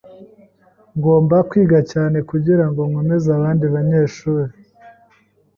Ngomba kwiga cyane kugirango nkomeze abandi banyeshuri.